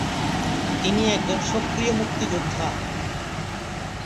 তিনি একজন সক্রিয় মুক্তিযোদ্ধা।